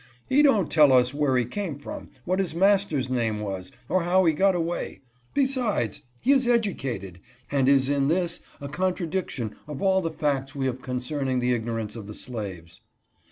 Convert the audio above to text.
" He don't tell us where he came from, what his master's name was, or how he got away ; besides, he is educated, and is in this a contradiction of all the facts we have concerning the ignorance of the slaves."